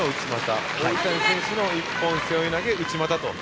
そして王子谷選手の一本背負い投げ内股と。